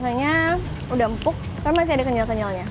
rasanya sudah empuk tapi masih ada kenyal kenyalnya